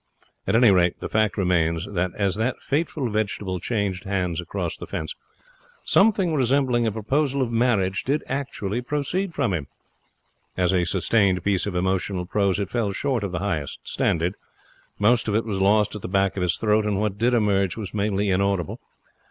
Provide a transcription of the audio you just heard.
At any rate, the fact remains that, as that fateful vegetable changed hands across the fence, something resembling a proposal of marriage did actually proceed from him. As a sustained piece of emotional prose it fell short of the highest standard. Most of it was lost at the back of his throat, and what did emerge was mainly inaudible.